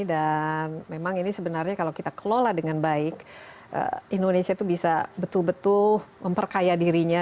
dan memang ini sebenarnya kalau kita kelola dengan baik indonesia itu bisa betul betul memperkaya dirinya